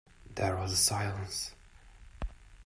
There was a silence.